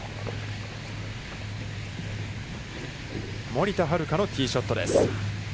森田遥のティーショットです。